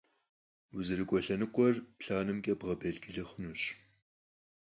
УзэрыкӀуэ лъэныкъуэр планымкӀэ бгъэбелджылы хъунущ.